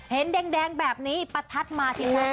เห็นแดงแบบนี้ประทัดมาทีแรก